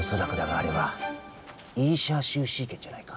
あれはイーシャーシャーシューシューシー拳じゃないか？